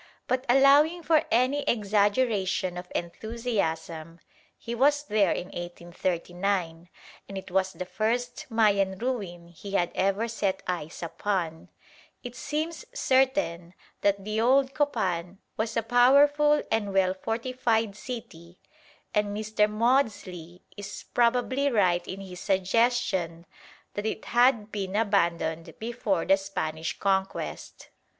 But allowing for any exaggeration of enthusiasm (he was there in 1839, and it was the first Mayan ruin he had ever set eyes upon), it seems certain that the old Copan was a powerful and well fortified city, and Mr. Maudslay is probably right in his suggestion that it had been abandoned before the Spanish Conquest.